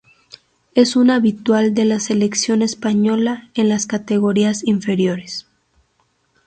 Es un habitual de la Selección Española en las categorías inferiores.